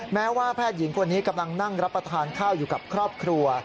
แม้ว่าแพทย์หญิงคนนี้กำลังนั่งรับประทานข้าวอยู่กับครอบครัว